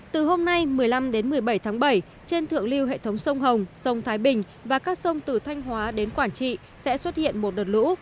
từ hôm nay một mươi năm đến một mươi bảy tháng bảy trên thượng lưu hệ thống sông hồng sông thái bình và các sông từ thanh hóa đến quảng trị sẽ xuất hiện một đợt lũ